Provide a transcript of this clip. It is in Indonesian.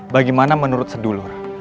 bagaimana menurut sedulur